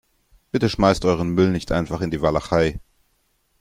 Bitte schmeißt euren Müll nicht einfach in die Walachei.